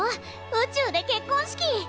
宇宙で結婚式！